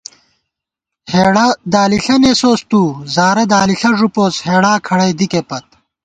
ہېڑہ دالِݪہ نېسوس تُو، زارہ دالِݪہ ݫُپوس ہېڑا کھڑَئی دِکےپت